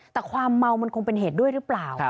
แต่ความเมามันคงเป็นเหตุด้วยหรือเปล่า